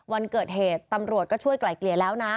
วันเกิดเหตุตำรวจก็ช่วยไกล่เกลี่ยแล้วนะ